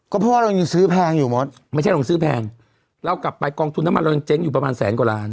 เพราะว่าเรายังซื้อแพงอยู่หมดไม่ใช่เราซื้อแพงเรากลับไปกองทุนน้ำมันเรายังเจ๊งอยู่ประมาณแสนกว่าล้าน